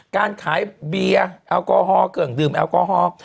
การขายเบียร์แอลกอฮอลเครื่องดื่มแอลกอฮอล์